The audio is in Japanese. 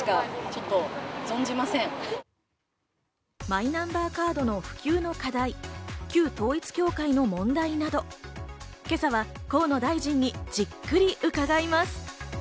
マイナンバーカードの普及の課題、旧統一教会の問題など、今朝は河野大臣にじっくり伺います。